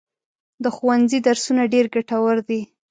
د ښوونځي درسونه ډېر ګټور دي.